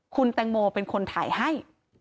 คุณแตงโมเป็นคนถ่ายให้